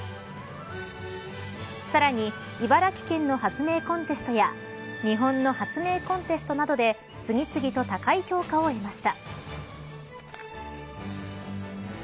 さらに、茨城県の発明コンテストや日本の発明コンテストなどで次々と高い評価を得ました。